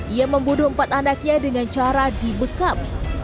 ia membunuh empat anaknya dengan cara dibekap